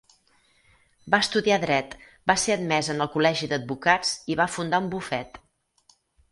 Va estudiar dret, va ser admès en el col·legi d'advocats i va fundar un bufet.